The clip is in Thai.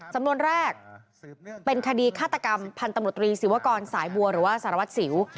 สำนวนแรกเป็นคดีฆาตกรรมพันธมตรีศิวกรสายบัวหรือว่าสารวัตรสิว